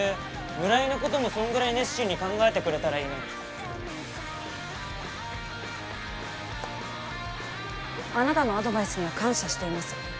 村井のこともそんぐらい熱心に考えてくれたらいいのにあなたのアドバイスには感謝しています